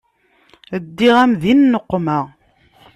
Ddiɣ-am di nneqma.